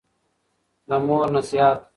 د مور نصېحت